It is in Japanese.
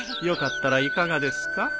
よかったらいかがですか？